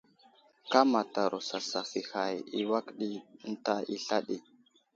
Kámataro sasaf i hay i awak ɗi ənta sla ɗi.